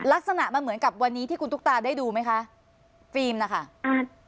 ลักษณะมันเหมือนกับวันนี้ที่คุณตุ๊กตาได้ดูไหมคะฟิล์มนะคะอ่า